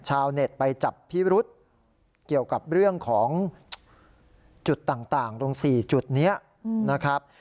ชาวเน็ตไปจับพิรุษเกี่ยวกับเรื่องของจุดต่างตรง๔จุดนี้นะครับ